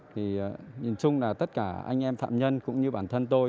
thì nhìn chung là tất cả anh em phạm nhân cũng như bản thân tôi